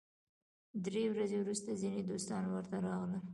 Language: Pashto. درې ورځې وروسته ځینې دوستان ورته راغلل.